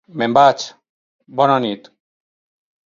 Me'n vaig, bona nit!